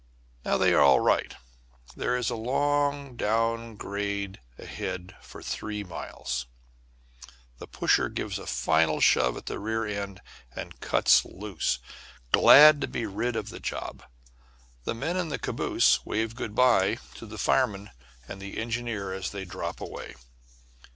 Now they are all right. There is a long down grade ahead for three miles. The pusher gives a final shove at the rear end, and cuts loose, glad to be rid of the job. The men in the caboose wave good by to the fireman and engineer as they drop away.